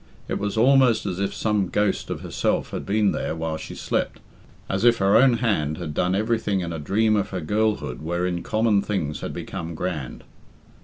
It was almost as if some ghost of herself had been there while she slept as if her own hand had done everything in a dream of her girlhood wherein common things had become grand.